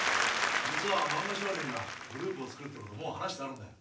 実は「漫画少年」にはグループを作るってことをもう話してあるんだよ。